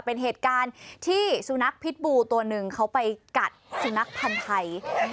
เป็นเหตุการณ์ที่สุนัขพิษบูตัวหนึ่งเขาไปกัดสุนัขพันธ์ไทย